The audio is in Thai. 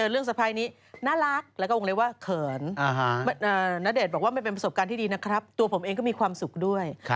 เออเปิดประทุนด้วยนะฮะสุดยอด